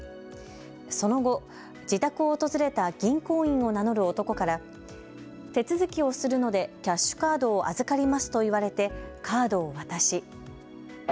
その後、自宅を訪れた銀行員を名乗る男から手続きをするのでキャッシュカードを預かりますと言われてカードを渡し。